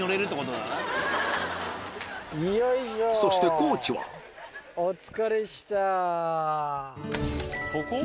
そして地はお疲れっした。